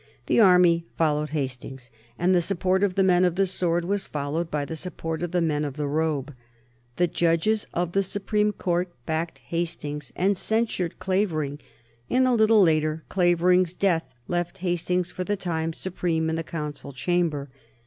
The army followed Hastings, and the support of the men of the sword was followed by the support of the men of the robe. The judges of the Supreme Court backed up Hastings and censured Clavering, and a little later Clavering's death left Hastings for the time supreme in the Council chamber.